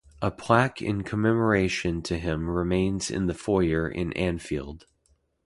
A plaque in commemoration to him remains in the foyer in Anfield.